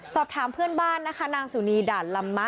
สอบถามเพื่อนบ้านนะคะนางสุนีด่านลำมะ